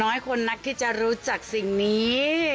น้อยคนนักที่จะรู้จักสิ่งนี้